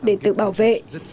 để tự bảo vệ